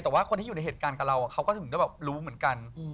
แต่ว่าคนที่อยู่ในเหตุการณ์กับเราเขาก็ถึงได้แบบรู้เหมือนกัน